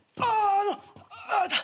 あのあなた。